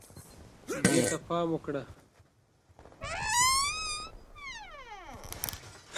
دې ته پام وکړه